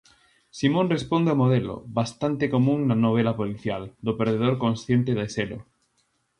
Simón responde ao modelo, bastante común na novela policial, do perdedor consciente de selo.